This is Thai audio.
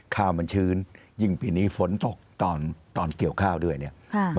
ข้าวมันชื้นยิ่งปีนี้ฝนตกตอนเกี่ยวข้าวด้วยเนี่ย